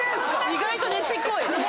意外とねちっこい。